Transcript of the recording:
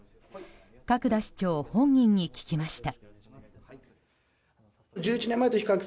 角田市長本人に聞きました。